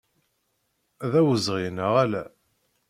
D awezɣi, neɣ ala?